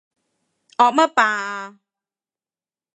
惡乜霸啊？